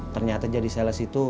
ternyata jadi sales itu